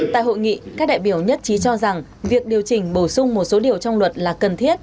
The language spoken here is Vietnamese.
tại hội nghị các đại biểu nhất trí cho rằng việc điều chỉnh bổ sung một số điều trong luật là cần thiết